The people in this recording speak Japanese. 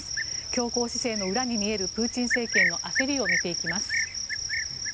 強硬姿勢の裏に見えるプーチン政権の焦りを見ていきます。